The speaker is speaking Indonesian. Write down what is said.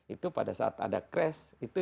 itu pada saat ada crash itu